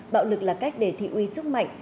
bạo lực là cách để thị uy sức mạnh